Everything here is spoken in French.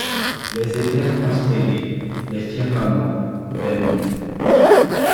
Les éthers constellés, les firmaments ; les mondes